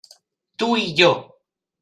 Tu i jo.